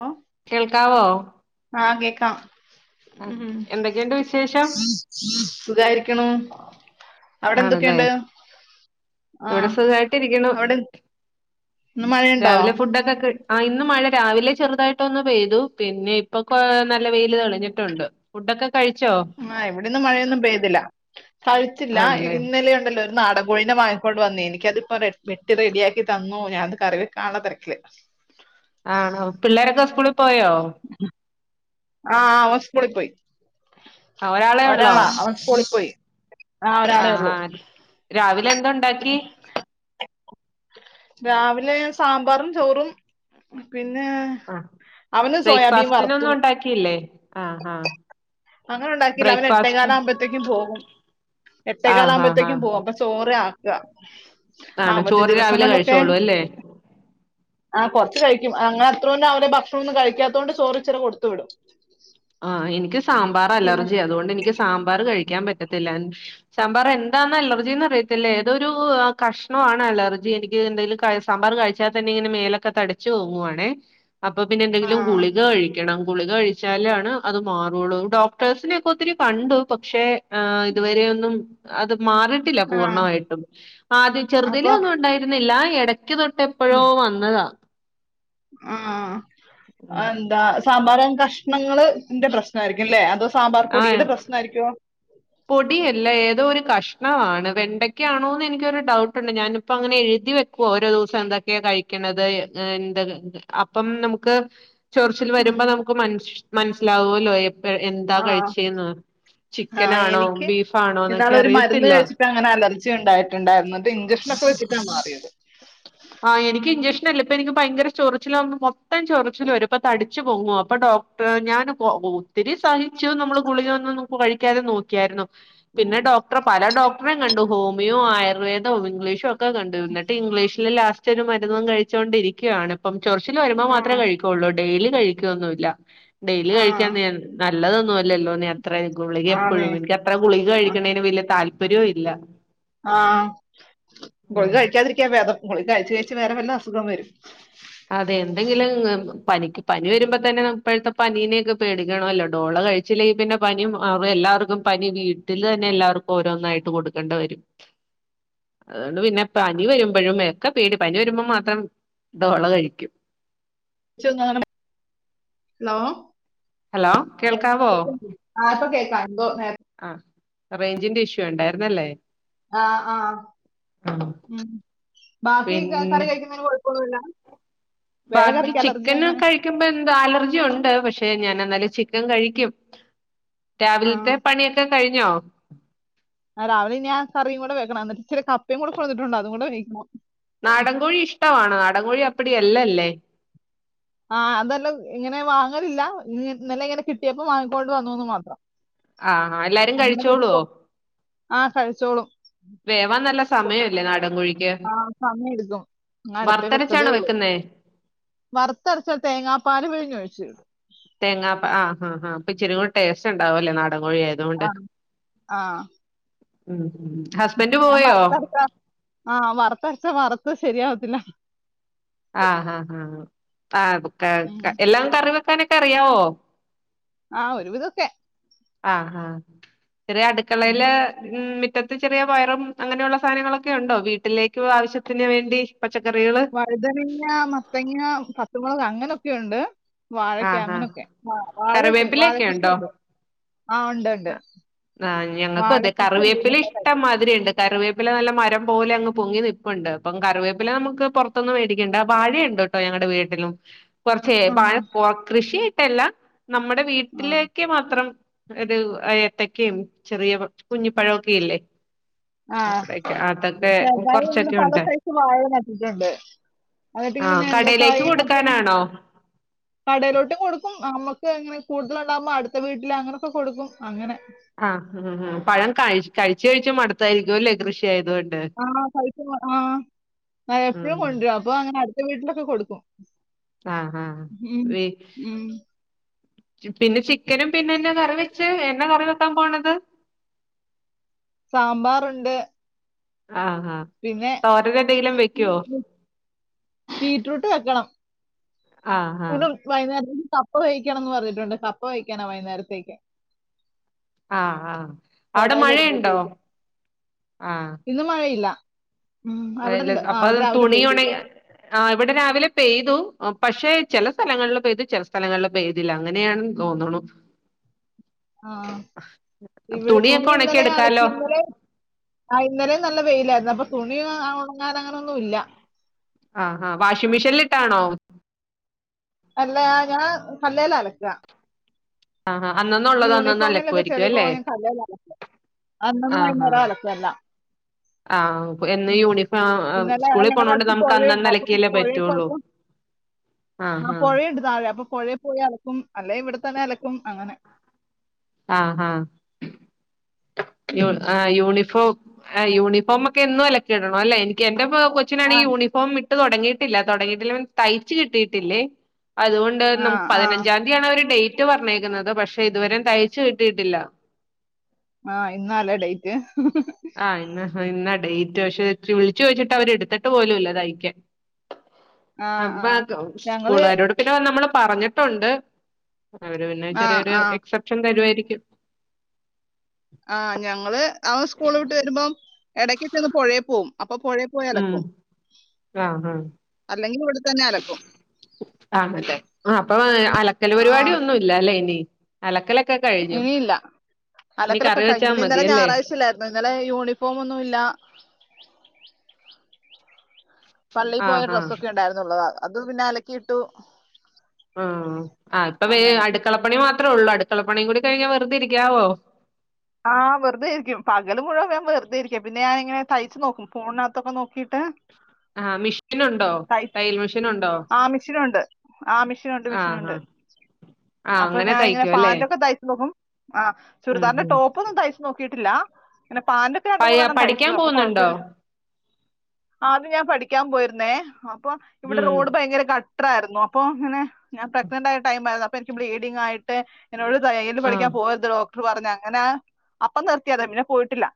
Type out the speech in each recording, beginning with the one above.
ഓ കേൾക്കാവോ ആഹ് ക്കേക്കാം ഓക്കെ എന്തൊക്ക്ണ്ട് സുഖായിരിക്ണു അവിടെ ആണല്ലേ എന്തൊക്കെയുണ്ട് ഇവിടെ ആഹ് സുഖായിട്ടിരിക്ക്ണു അവിടെ ഇന്ന് മഴയുണ്ടോ രാവിലെ ഫുഡൊക്കെ കഴി ആഹ് ഇന്ന് മഴ രാവിലെ ചെറുതായിട്ടൊന്ന് പെയ്തു പിന്നെ ഇപ്പൊ കൊ നല്ല വെയ്ല് തെളിഞ്ഞിട്ടുണ്ട് ഫുഡൊക്കെ കഴിച്ചോ ആഹ് ഇവിടൊന്നും മഴയൊന്നും പെയ്തില്ല കഴിച്ചില്ല ആണല്ലേ ഇന്നലെ ഉണ്ടല്ലോ. നാടൻകോഴിന്റെ വാങ്ങികൊണ്ട്‌ വന്നേ എനിക്കതിപ്പോ റെട് വെട്ടി റെഡിയാക്കി തന്നു ഞാനത് കറിവെയ്ക്കാനുള്ള തെരക്കില്. ആണോ പിള്ളേരൊക്കെ സ്കൂളിൽ പോയോ. ആഹ് അവൻ സകൂളി പോയി ഒരാളെ ഉള്ളോ ഒരാളാ അവൻ സകൂളി പോയി. ആഹ് ആ ഒരാളേ ആ ഉള്ളൂ. രാവിലെ എന്തുണ്ടാക്കി രാവിലെ സാമ്പാറും ചോറും പിന്നെ. ആഹ് അവന് സോയാബീൻ ബ്രേക്ക്ഫാസ്റ്റിനൊന്നും വറുത്തു ഉണ്ടാക്കിയില്ലേ ആഹ് ആഹ്. അങ്ങനെ ഉണ്ടാക്കില്ല അവന് എട്ടേ കാലാകുമ്പഴത്തേക്കും പോവും ആ ആ ആ എട്ടേകാലാകുമ്പഴത്തേക്കും പോവും അപ്പൊ. ചോറ് ആക്ക ആണ് അവധി ചോറ് രാവിലെ ദിവസങ്ങളിലൊക്കെ. കഴിച്ചോളൂ അല്ലേ ആഹ് കുറച്ചു കഴിക്കും അങ്ങന അത്രം രാവിലെ ഭക്ഷണം ഒന്നും കഴിക്കാത്തത് കൊണ്ട് ചോറ് ഇചിരി കൊടുത്തു വിടും. ആഹ് എനിക്ക് സാമ്പാർ പിന്നെ അലർജിയ അതുകൊണ്ട് എനിക്ക് സാമ്പാറ് കഴിക്കാൻ പറ്റത്തില്ല സാമ്പാറെ ന്താന്ന് അലർജിന്ന് അറിയത്തില്ലേ. ഇതൊരു കഷ്ണവാണ് അലർജി എനിക്ക് എന്തയലും കഴി സാമ്പാറ് കഴിച്ചാൽ തന്നെ ഇങ്ങനെ മേലൊക്കെ തടി ച്ചു പോവാണേ അപ്പൊ പിന്നെ എന്തെങ്കിലും ആഹ് ഗുളിക കഴിക്കണം ഗുളിക കഴിച്ചാലാ ണ് അത് മാറുള്ളൂ ഡോക്ടേഴ്സിനക്കെ ഒത്തിരി കണ്ടു പക്ഷെ ആ ഇതുവരെ ഒന്നും. അത് മാറിയിട്ടില്ല ആഹ് പൂർണ്ണമായിട്ടും ആദ്യം ചെറുതിലെ അപ്പൊ ഒന്നും ഉണ്ടായിരുന്നില്ല എട ക്ക് തൊട്ട് എപ്പഴോ വന്നതാ. ആഹ് ഉം ആതെന്താ സാമ്പാറ് കഷ്ണങ്ങള് ൻ്റെ പ്രശ്നായിരിക്കുംല്ലേ അത്. ആഹ് സാമ്പാർപൊടിയുടെ പ്രശ്നായിരിക്കോ. പൊടിയല്ല ഏതോ ഒരു കഷ്ണവാണ് വെണ്ടക്കാണോന്ന് എനിക്കൊരു ഡൗട്ടുണ്ട് ഞാനിപ്പങ്ങനെ എഴുതി വെ ക്കു ഓരോ ദിവസം എന്തൊക്കെയാ കഴിക്കണത് എന്ത് അപ്പം നമുക്ക്. ചൊർച്ചിൽ ഉം വരുമ്പ നമുക്ക് മൻ മനസ്സിലാവൊല്ലോ എപ്പ എന്താ കഴിച്ചേന്ന്. ആ ചിക്കനാണോ എനിക്ക് ബീഫാണോ എന്നൊക്കെ ഇന്നാളൊരു മരുന്ന് അറിയത്തില്ല കഴിച് ഇച്ചങ്ങനെ അലർജി ഉണ്ടായിട്ടുണ്ടായിരുന്നത് ഇഞ്ചെക്ഷൻ ഒക്കെ വെച്ചിട്ടാ മാറിയത്. ആഹ് എനിക്ക് ഇഞ്ചക്ഷനല്ല ഇപ്പൊ എനിക്ക് ഭയങ്കര ചൊറിച്ചില വന്ന് മൊത്തം ചൊറിച്ചില് വരും അപൊ തടിച്ചു പോങ്ങുവാ അപ്പൊ ഡോ ക്ടർ ഞാൻ പോ ഒത്തിരി സഹി ച്ചു നമ്മള് ഗുളിക ഒന്നുന്നും കഴിക്കാതെ നോക്കിയായിരുന്നു പിന്നെ ഡോ ക്ടർ പല ഡോക്ടറെേ കണ്ടു ഹോമിയോ ആയുർവേദവും ഇംഗ്ലീഷും ഒക്കെ കണ്ടിരുന്നു എന്നിട്ട് ഇംഗ്ലീഷ്. ലാസ്റ്റൊരു മരുന്നും കഴിച്ചു കൊണ്ടിരിക്കുകയാണ് ഇപ്പം ചൊറിച്ചില് വരുമ്പം മാത്രമേ ആഹ് കഴി കൊള്ളൂ ഡെയിലി കഴിക്കുവൊന്നുല്ല ഡെയിലി കഴിക്കാൻ ആഹ് നീ നല്ലതൊന്നു അല്ലല്ലോ നീ അത്ര. ഗുളിക ആന്നേ എപ്പഴും എനിക്ക് അത്ര ഗുളിക കഴിക്കണേന് വലിയ താല്പര്യവും ഇല്ല. ആഹ് ഗുളിക ഉം കഴിക്കാതിരിക്കാ ഭേദം ഗുളി കഴിച്ച് കഴിച്ച് വേറെ വല്ല അസുഖം വരും. അതെ എന്തെങ്കിലും പനിക്ക് പനി വരുമ്പ തന്നെ ഇപ്പഴത്തെ പനീനെക്കെ പേടിക്കണമല്ലോ ഡോള കഴി ചില്ലെങ്കി പിന്നെ പനിയും അവ്വ എല്ലാവർക്കും പനി വീട്ടിൽ തന്നെ എല്ലാവർക്കും ഓരോന്നായിട്ട് കൊടുക്കണ്ട വരും. അതുകൊണ്ട് പിന്നെ പനി വരുമ്പഴും എക്കെ പേടി പനി വരുമ്പം മാത്രം. ഡോള കഴിക്കും. ച്ചു ഇങ്ങളങ്ങനെ ഹലോ. ഹലോ കേൾക്കാവോ ആഹ് ഇപ്പ കേൾക്കാം എന്തോ നേര് ആഹ് റേഞ്ചിന്റെ ഇഷ്യൂ ഉണ്ടായിരുന്നല്ലേ. ആഹ് ആഹ് ഉം ബാക്കി കറി പിന്നെ കഴിക്കുന്നതിന് കുഴപ്പൊന്നുല്ല. ബാക്കി ചിക്കന് കഴിക്കുമ്പ എന്താ അലർജി ഉണ്ട് പക്ഷെ ഞാന് എന്നാലും ചിക്കൻ കഴിക്കും. ആ രാവിലത്തെ പണിയൊക്കെ കഴിഞ്ഞോ. ആഹ് രാവിലെ പിന്നെ ഞാൻ കറിയും കൂടെ വെക്കണം എന്നിട്ട് കപ്പയും കൂടെ കൊണ്ടുവന്നിട്ടുണ്ട് അതും കുടെ വേവിക്കണം നാടൻകോഴി ഇഷ്ടമാണ് നാടൻകോഴി അപ്പടിഎല്ലല്ലേ ആഹ് അതെല്ലാം ഇങ്ങനെ വാങ്ങലില്ല ഇന്നെലെ ഇങ്ങനെ കിട്ടിയപ്പോ വാങ്ങിക്കൊണ്ട് വന്നുവന്ന് മാത്രം ആഹാ എല്ലാരും നമ്മള കഴിച്ചോളുവോ [unintelligible] ആഹ് കഴിച്ചോളും വേവാൻ നല്ല സമയമല്ലേ നാടൻ കൊഴി ആഹ് സമയം എടുക്കും ഞാൻ അടപ്പേ വെച്ചതേ വറുത്തരച്ചാണ് ഉള്ളൂ വെക്കുന്നേ വറുത്തരച്ച തേങ്ങാ പാൽ പിഴിഞ്ഞ് ഒഴിച് തേങ്ങാപ്പാൽ ആഹ് ആഹ് അപ്പോ ഇച്ചിരി കൂടി ടേസ്റ്റ് ഉണ്ടാവുംല്ലേ നാടൻ കോഴിയ ആ. തുകൊണ്ട് ആ ഉം ഉം ഹസ്ബൻഡ് ഞാൻ പോയോ വറുത്തരച്ച ആ വറുത്ത് അരച്ച വറുത്തത് ശരിയാവത്തില്ല ആഹ് ഹ ഹ ഉം. ആഹ് എല്ലാം കറി വെക്കാനൊക്കെ അറിയാവോ ആ ഒരു വിധൊക്കെ അഹ് ആഹ് ചെറിയ ഉം. അടുക്കളയില് ഉം മിറ്റത്ത് ചെറിയ പയറും അങ്ങനെയുള്ള സാധനങ്ങളൊക്കെ ഉണ്ടോ വീട്ടിലേക്ക് ആവശ്യത്തിന് വേണ്ടി പച്ചക്കറികൾ വഴുതനങ്ങ മത്തങ്ങ പത്തുമുളക് അങ്ങനൊക്കെയുണ്ട് വാഴക്ക ആഹ് ആഹ് അങ്ങനൊക്കെ വ വാഴൊക്കെ കറിവേപ്പിലൊക്കെ വാഴകൃഷി ഉണ്ട് ഉണ്ടോ ആഹ് ഉണ്ട് ആഹ് ആ ഞങ്ങക്കും അതെ വാഴക്കൃഷിയുണ്ട് പിന്നെ കറിവേപ്പില പ ഇഷ്ടംമാതിരി ഒത്തിരി ഒണ്ട് കറിവേപ്പില നല്ല മരം പോലെ അങ്ങ് പൊങ്ങി നിപ്പുണ്ട് അപ്പം കറിവേപ്പില നമുക്ക് പുറ പുറത്തുന്ന് മേടിക്കണ്ട വാഴയുണ്ട് ട്ടോ ഞങ്ങളടെ വീട്ടിലും കൊർച്ചേ വാഴ ആഹ്. കൃഷിയായിട്ടല്ല നമ്മടെ ആഹ്. വീട്ടിലേക്ക് മാത്രം ഒരു എത്തക്കയും ചെറിയ കുഞ്ഞി പഴവൊക്കെ ഇല്ലേ ആഹ് അവിടെക്കെ അതൊക്കെ ചെറുതായി ഞങ്ങള് കുറച്ചൊക്കെ പല ഉണ്ട് സൈസ് വാഴ നട്ടിട്ടുണ്ട് അന്നട്ടിങ്ങനെ ആഹ് കടയിലേക്ക് നേന്ത്രക്കായേം മറ്റെ കൊടുക്കാനാണോ കടെലോട്ടും കൊടുക്കും നമ്മുക്ക് അങ്ങനെ കൂടുതല് ഉണ്ടാവുമ്പോ അടുത്ത വീട്ടില് അങ്ങനൊക്കെ കൊടുക്കും അങ്ങനെ ആഹ് മ് മ് പഴം കഴി കഴിച്ചു കഴിച്ച് മടത്തായിരിക്കുവല്ലേ കൃഷിയായതുകൊണ്ട് ആഹ് പഴുത്തത് ആഹ് എപ്പോഴും ഉം കൊണ്ടുവും അപ്പൊ അങ്ങനെ അടുത്ത വീട്ടിലൊക്കെ കൊടുക്കും ആഹ് ആഹ് ഉം. വെ ഉം. പിന്നെ ചിക്കനും പിന്നെന്നെ കറി വെച്ചെ എന്നാ കറി വെക്കാൻ പോണത് സാമ്പാറുണ്ട് ആഹ് ആഹ് തോരന് എന്തെങ്കിലും വെക്കുവോ ബീട്രൂട്ട് വെക്കണം ആഹ് ആഹ് ഉം വൈന്നേരത്തേക്ക് കപ്പ വേവിക്കണംന്ന് പറഞ്ഞിട്ടുണ്ട് കപ്പ വേവിക്കാനാ വൈന്നേരത്തേക്ക് ആഹ് ആഹ് അവിടെ ചേട്ടായി വരുമ്പോ മഴയുണ്ടോ ആഹ് ഇന്ന് മഴയില്ല ഉം അവിടെ അല്ല ഉണ്ട് ആ അപ്പൊ അത് അവിടെ രാവിലെ പെയ്തു തുണിയൊണങ്ങിയാ ആഹ് ഇവിടെ രാവിലെ പെയ്തു പക്ഷെ ചില സ്ഥലങ്ങളിലിൽ പെയ്തു ചില സ്ഥലങ്ങളിൽ പെയ്തില്ലഅങ്ങനെയണെന്ന് തോന്നണു ആഹ് ഇവിടെ തുണിയൊക്കെ തുണി ഉണക്കി ഇന്നലെ ഞാൻ അലക്കി എടുക്കാലോ ഇന്നലെ ആഹ് ഇന്നലും നല്ല വെയിലായിരുന്നു അപ്പൊ തുണി ഉണങ്ങാൻ അങ്ങനൊ ന്നും ഇല്ല ആഹാ വാഷിംഗ് മെഷീനിലിട്ടാണോ അല്ല ഞാൻ കല്ലേലാ അലക്ക ആഹ് ആഹ് അന്നന്നുള്ളത് അന്നന്ന് അലക്കുമായിരിക്കും യൂണിഫോമിലെക്കെചെളി അല്ലേ പോവാൻ കല്ലേൽ അലക്കണം അന്നൊന്നും ആഹ് വൈകുന്നേരം ആഹ് അലക്കല്ല ആഹ് എന്നു ഉം യൂണിഫോം ഇന്നലെ സ്കൂളിൽ പോണത ഞങ്ങളുടെ കൊണ്ട് അടുത്ത് നമുക്ക് പുഴയുണ്ട് അന്നന്നെ അപ്പൊ അലക്കിയല്ലേ പുഴയിൽ പറ്റുള്ളൂ ആഹ് ആഹ് പുഴണ്ട് താഴെ അപ്പൊ പുഴയെ പോയി അലക്കും അല്ലെ ഇവിടെത്തന്നെ അലക്കും അങ്ങനെ ആഹ് ഹ ഹ യു ഉം. യൂണി യുണിഫോം ഒക്കെ എന്നും അലക്കി ഇടണം അല്ലേ എനിക്ക് എന്റെ ആ കൊച്ചിനാണെങ്കിയൂണിഫോ ഇപ്പം ഇട്ട് തൊടങ്ങിയ്ട്ടില്ല തൊടങ്ങിയിട്ടില്ല മീൻസ് തയ്ച്ച് കിട്ടിയിട്ടില്ലേ അതുകൊണ്ട് ആ നമുക്ക് ആ പതിനഞ്ചാം അവര് ഡേറ്റ് പറഞ്ഞേക്കുന്നത് പക്ഷെ ഇതുവരെും തയ്ച്ചു കിട്ടിയിട്ടില്ല ആഹ് ഇന്നാലേ ഡേയ്റ്റ് ആഹ് ഇന്ന ഇന്ന്ഡേറ്റ് പക്ഷെ ഇരി വിളിച്ചു ചോച്ചിട്ട് അവര് എടുത്തിട്ട് പോലുല്ല തയ്ക്കാൻ ആഹ് ആഹ് അർബാങ്ക് ഞങ്ങള് സ്കൂളുകാരോട് നമ്മള് പറഞ്ഞിട്ടുണ്ട് അവര് പിന്നെ ആഹ് ചെറിയൊരു ആഹ് എക്സെപ്ഷൻ തരുവായിരിക്കും ആ ഞങ്ങള് അവ സ്കൂള വിട്ട് വരുമ്പോം ഇടക്ക ചന്ന് പുഴേ പോകും അപ്പൊ പുഴെ പോയി ഉം അലക്കും ആഹ് ആഹ് അല്ലെങ്കിൽ ഇവിടെ തന്നെ അലക്കും ആണല്ലെ ആഹ് അപ്പൊ അലക്കൽ പരിപാടിയ ആഹ് ഒന്നുംല്ല അല്ലേ ഇനി അലക്കല ഇനിയില്ല അലക്കലൊക്കെ കറി വെച്ചാ കഴിഞ്ഞന്നെ ഇന്നലെ മതിയല്ലേ ഞായറാഴ്ചല്ലായിരുന് ഇന്നലെ യൂണിഫോം ഒന്നും ഇല്ല പള്ളിയിൽ പോയ ആഹ് ആഹ് ഡ്രസ്സൊക്കെ ഉണ്ടായിരുന്നു ള്ളത് അത് പിന്നെ അലക്കിയിട്ടു. ആഹ് ആഹ് ഇപ്പൊ വേ അങ്ങനെ അടുക്കളപ്പണിമാത്രേ ഉള്ളൂ. അടുക്കളപ്പണി കൂടി കഴിഞ്ഞാൽ വെറുതെ ഇരിക്കാവോ? ആഹ് വെർതെയിരിക്കും പകല മുഴുവൻ വെറുതെ ഇരിക്കും പിന്നെ ഞാനങ്ങനെ തയ്ച്ചു നോക്കും ഫോണിനകത്തൊക്കെ തോക്കീട്ട് ആഹ് മിഷീൻ ഉണ്ടോ തയ്യൽ മെഷീൻ ഉണ്ടോ ആഹ് മിഷിനുണ്ട് ആഹ് മിഷന് ഇൻക്ക് രണ്ട് ആഹ് മെഷീന്ണ്ട് ആഹ് ആഹ് അപ്പൊ അങ്ങനെ ഞാനിങ്ങനെ തയ്ക്കും അല്ലേ ഫാൻ്റോക്കെ തയ്ച്ച് നോക്കും ആഹ് ഉം ചുരിദാറിൻ്റെ ഉം ടോപ്പ് ഒന്നും തയ്ച്ചു നോക്കിയിട്ടില്ല, പിന്നെ പാൻ്റ് രണ്ട് പയ മൂന്നെണ്ണം തയ്ച്ചു, പഠിക്കാൻ അപ്പൊ പോകുന്നുണ്ടോ കൊഴപ്പല്ല. ആദ്യം ഞാൻ പഠിക്കാൻ പോയിരുന്നേ, അപ്പൊ ഇവിടെ ഉം റോഡ് ഭയങ്കര കട്ട ട്ടറായിരുന്നു. അപ്പോ ഇങ്ങെനെ ഞാൻ പ്രഗ്നന്റ് ആയിരുന്ന ടൈം ആയിരുന്നും, അപ്പൊ എനിക്ക് ബ്ലീഡിംഗ് ആയിട്ട് എന്നോട് തയ്യിൽ പഠിക്കാൻ ആഹ് പോവരുത് ഡോക്ടർ പറഞ്ഞ്, അങ്ങനെ അപ്പം നിർത്തിയതാ പിന്നെ പോയിട്ടില്ല.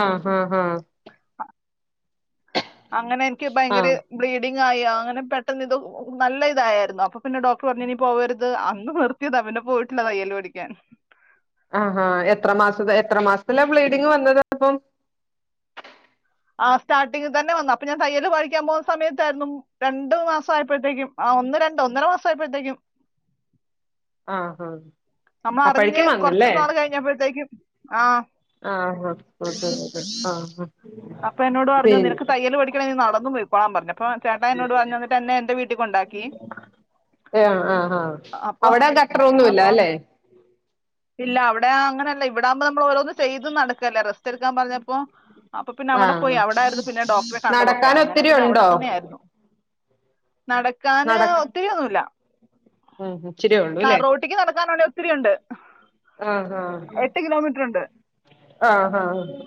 ആഹ് ഹും ഹും അങ്ങനെ എനിക്ക് ഭയങ്കര ആഹ് ബ്ലീഡിങ് ആയി, അങ്ങനെ പെട്ടെന്ന് ഇത് നല്ല ഇതായായിരുന്നു. അപ്പൊ പിന്നെ ഡോക്ടർ പറഞ്ഞു ഇനിപോവരുത് അന്ന് വെറു യതാ പിന്നെ പോയിട്ടില്ല തയ്യൽ പടിക്കാൻ ആഹാ എത്ര മാസ എത്ര മാസത്തില ബ്ലീഡിങ് വന്നത് അപ്പം? ആ സ്റ്റാർട്ടിംങ് തന്നെ വന്നു. അപ്പൊ ആഹ് സ്റ്റാടിങ്ങ് തന്നെ വന്നു അപ്പൊ ഞൻ തയ്യല് പഠിക്കാൻ പോകുന്ന സമയത്തായിരുന്നു രണ്ടു മാസം ആയപ്പഴ്ത്തേക്കും ആ ഒന്ന് രണ്ട്, ഒന്നര മാസാ യപ്പോഴത്തേക്കും ആഹ് ആഹ് നമ്മ അറിഞ്ഞ് അപ്പഴേക്കും കൊറച്ച് വന്നല്ലേ നാള് കഴിഞ്ഞപ്പോഴത്തേക്കും ആഹ് ആഹ് അപ്പൊ എന്നോട് [unintelligible] പറഞ്ഞു പിൻ നിനക്ക് തയ്യൽ നടന്നു പോയിക്കോളാൻ പറഞ്ഞു. അപ്പൊ ചേട്ടാ എന്നോട് പറഞ്ഞു ന്നിട്ട് എന്നെ എന്റെ വീട്ടിൽ കൊണ്ടാക്കി. ഏഹ് ആഹ് ആഹ് അപ്പൊ അവിട അപ്പൊ കട്ടറൊന്നുല്ലാലേ? ഇല്ല അവിടെ അങ്ങനെയല്ല, ഇവിടാകുമ്പോ നമ്മൾ ഓരോന്നും ചെയ്തും നടക്കല്ല റെസ്റ്റ് എടുക്കാൻ പറഞ്ഞപ്പോ അപ്പൊ പിന്നെ അവിടെ പോയി. ആഹ് അവിടൊയിരുന്നു പിന്നെ ഡോക്ടറെ കണ്ടതൊക്കെ, നടക്കാൻ അങ്ങനെ ഒത്തിരി പിന്നെ ഉണ്ടോ അവിടെത്തന്നെ ആയിരുന്നു. നടക്കാന് നട ഒത്തിരി ഒന്നുല്ല. ഉം ഇച്ചിരി ഇള്ളൂല്ലേ റോട്ടിക്ക് നടക്കാൻ വേണ്ടി ഒത്തിരി ഉണ്ട് ആഹ് ആഹ് എട്ട് കിലോമീറ്റർ ഉണ്ട്. ആഹ്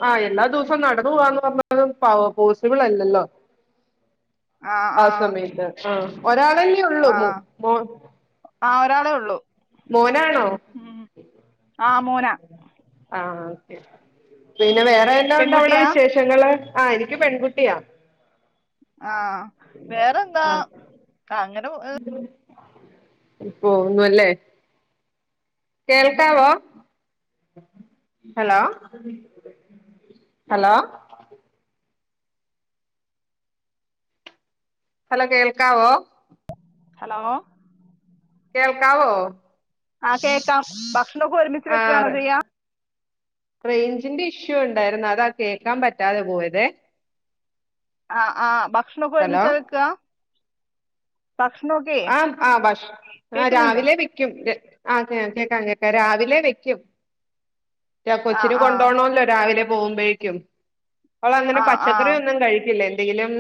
ആഹ., എല്ലാ ദിവസവും നടന്ന് പോവാന്ന് പറഞ്ഞാലും പോസിബിൾ അല്ലല്ലോ? ആ ആഹ് ആ സമയത്ത് ആഹ് ഒരാളല്ലേ ഒള്ളൂ ബോ ആഹ് ഒരാളെ ഉള്ളൂ. മോനാണോ ഉം ആ മോനാ ആഹ ഓകെ. പിന്നെ ഉം വേറെ എന്താ ഉണ്ട് അവിടെ പെൺകുട്ടിയാ വിശേഷങ്ങള്? ആഹ് എനിക്ക് പെൺകുട്ടിയാ. ആഹ് വേറെന്താ അങ്ങനെ പോ പോവുന്നു അല്ലേ? കേൾക്കാവോ? ഹലോ ഹലോ ഹലോ കേൾക്കാവോ? ഹലോ കേൽക്കാവോ? ആഹ കേക്കാം ഭ ആറ് റേയ്ഞ്ചിന്റെ ഇഷ്യൂ ഉണ്ടായിരുന്നു, അതാ കേക്കാൻ പറ്റാതെ പോയതെ ആഹ ആഹ് ഭക്ഷണൊക്കെ ഹലോ ഒരുമിച്ച വെക്കാ ഭക്ഷണെക്കെ ആഹ ആഹ ഭഷ് ആ രാവിലെ വെ ക്കും. ആ കേക്കാം കേക്കാം രാവിലെ വെക്കും. രാ ആ കൊച്ചിന ആ കൊണ്ടോവണല്ലോ, രാവിലെ പോകുമ്പോഴേക്കും. അവളങ്ങനെ ആ ആ പച്ചക്കറി ഒന്നും കഴിക്കില്ല എന്തെങ്കിലും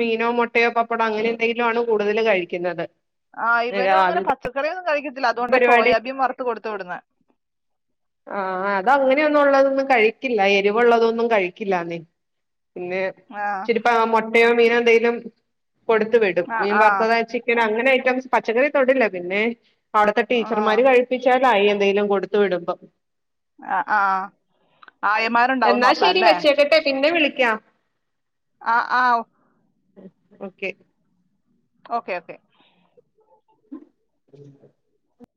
മീനോ, മുട്ടയോ, പപ്പടോ, അങ്ങനെ എന്തെങ്കിലും ആണ് കൂടുതല് കഴിക്കുന്നത്. ആഹ് ഇവനുംഅങ്ങനെ രാവിലത്തെ പച്ചക്കറിയൊന്നും കഴിക്കത്തില്ല. അതുകൊണ്ടാ, പരിപാടി സോയാബീൻ വറുത്ത് കൊടുത്തു വിടന്നെ. ആഹ അത് അങ്ങനെയൊന്നും ഉള്ളതൊന്നും കഴിക്കില്ല, എരിവുള്ളതൊന്നും കഴിക്കില്ലാന്നെ. പിന്നെ ആഹ- ഇപ്പ മുട്ടയോ മീനോ എന്തെങ്കിലും കൊടുത്തു വിടും. ആ മീൻ ആ വറത്തതാ ചി ക്കൻ അങ്ങനെ ഐറ്റംസ് പച്ചക്കറി തൊടില്ല, പിന്നെ അവിടുത്തെ ആ ടീച്ചർമാര് കഴിപ്പിച്ചാ എന്തെങ്കിലും കൊടുത്ത് വിടുമ്പോം. ആ ഹആഹ ആയമാ എന്നാ ശരി വെച്ചേക്കട്ടെ പിന്നെ വിളിക്കാം ആഹ ആഹ ഓക്കെ ഓക്കെ ഓക്കേ ഉ